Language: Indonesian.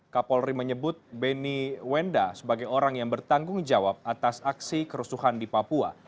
kapolri menyebut benny wenda sebagai orang yang bertanggung jawab atas aksi kerusuhan di papua